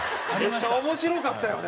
めっちゃ面白かったよね。